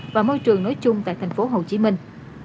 và môi trường nói chung tại thành phố hồ chí minh